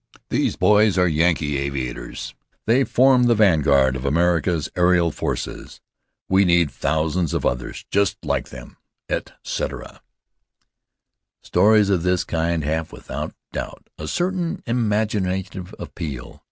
"These boys are Yankee aviators. They form the vanguard of America's aerial forces. We need thousands of others just like them," etc. Stories of this kind have, without doubt, a certain imaginative appeal.